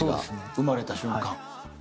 生まれた瞬間。